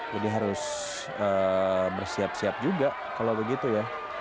jadi harus bersiap siap juga kalau begitu ya